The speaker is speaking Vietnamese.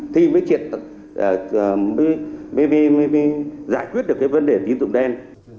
thì mới giải quyết được cái vấn đề tín dụng đen